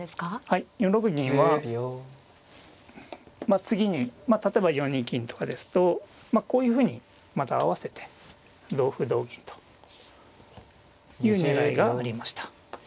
はい４六銀は次に例えば４二金とかですとこういうふうにまた合わせて同歩同銀という狙いがありました。